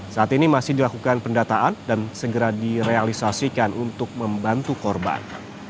saat ini masih dilakukan pendataan dan segera direalisasikan untuk membantu korban